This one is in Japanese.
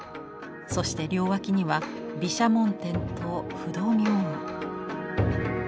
そして両脇には毘沙門天と不動明王。